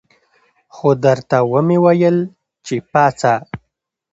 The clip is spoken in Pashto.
خو درته ومې ویل چې پاڅه.